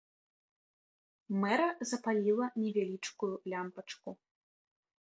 Мэра запаліла невялічкую лямпачку.